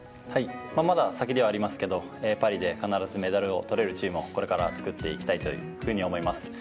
まだ先ではありますけどパリで必ずメダルがとれるチームをこれから作っていきたいと思います。